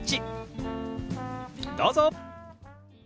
どうぞ！